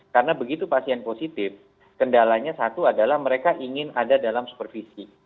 karena begitu pasien positif kendalanya satu adalah mereka ingin ada dalam supervisi